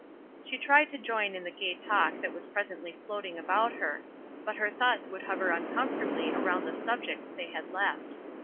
She tried to join in the gay talk that was presently floating about her, but her thoughts would hover imcomfortably around the sub ject they had left.